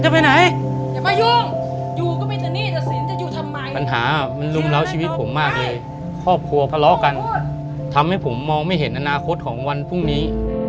ทำไมปัญหามันรุมเล้าชีวิตผมมากเลยครอบครัวทะเลาะกันทำให้ผมมองไม่เห็นอนาคตของวันพรุ่งนี้